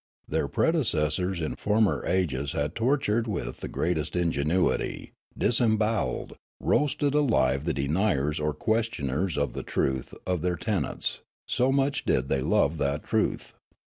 Their predecessors in former ages had tortured with the greatest ingenuity, disem bowelled, roasted alive the deniers or questioners of the truth of their tenets, so much did they love that truth.